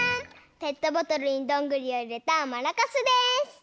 ペットボトルにどんぐりをいれたマラカスです！